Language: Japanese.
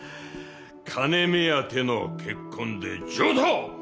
金目当ての結婚で上等！